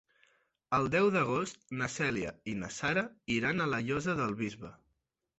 El deu d'agost na Cèlia i na Sara iran a la Llosa del Bisbe.